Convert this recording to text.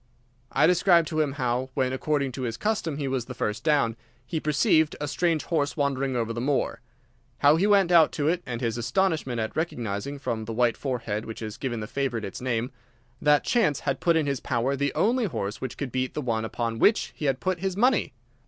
I described to him how, when according to his custom he was the first down, he perceived a strange horse wandering over the moor. How he went out to it, and his astonishment at recognising, from the white forehead which has given the favourite its name, that chance had put in his power the only horse which could beat the one upon which he had put his money.